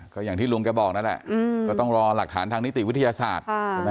ก็อย่างที่ลุงแกบอกนั่นแหละก็ต้องรอหลักฐานทางนิติวิทยาศาสตร์